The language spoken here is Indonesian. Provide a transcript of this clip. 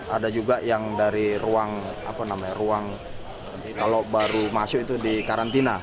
ada juga yang dari ruang apa namanya ruang kalau baru masuk itu di karantina